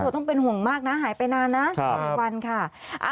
ต้องเป็นห่วงมากนะหายไปนานนะ๒วันค่ะ